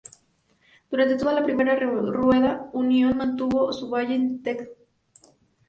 Durante toda la primera rueda, Unión mantuvo su valla invicta en Santa Fe.